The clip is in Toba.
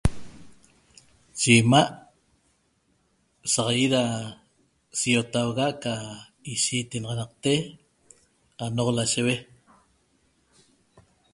Ye imaa' da saxayi da siotahuxa ca ishitexanacte anoq loshegue